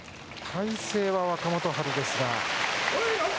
体勢は若元春ですが。